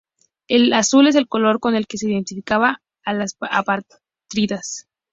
El azul es el color con el que se identificaba a los apátridas.